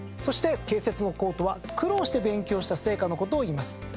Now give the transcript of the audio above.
そして「蛍雪の功」とは苦労して勉強した成果のことをいいます。